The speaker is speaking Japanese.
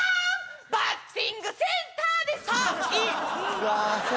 バッティングセンターでサイン。